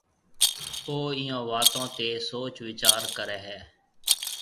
او اِيئون واتون تي سوچ ويچار ڪريَ هيَ۔